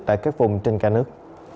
tại các vùng trên cả nước